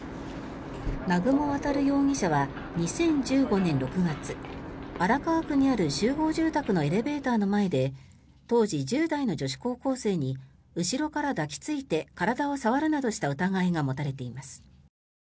南雲航容疑者は２０１５年６月荒川区にある集合住宅のエレベーターの前で当時１０代の女子高校生に後ろから抱きついて体を触るなどした疑いが持たれています。